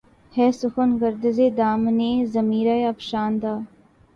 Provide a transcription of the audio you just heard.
ہے سخن گرد ز دَامانِ ضمیر افشاندہ